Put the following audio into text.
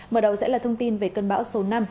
mở đầu sẽ là thông tin về cơn bão số năm